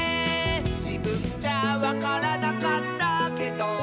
「じぶんじゃわからなかったけど」